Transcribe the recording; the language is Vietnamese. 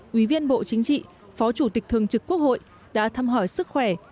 quý viên bộ chính trị phó chủ tịch thường trực quốc hội đã thăm hỏi sức khỏe